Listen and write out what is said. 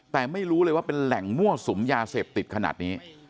แต่ไม่รู้เลยว่าเป็นแหล่งมั่วสุมยาเสพติดขนาดนี้